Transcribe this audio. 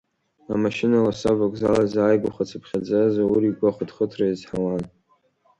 Амашьына ласы авокзал иазааигәаха-цыԥхьаӡа, Заур игәы ахыҭхыҭра иазҳауан.